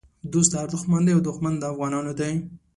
دوست د هر دښمن دی او دښمن د افغانانو دی